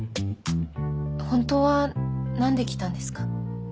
ホントは何で来たんですか？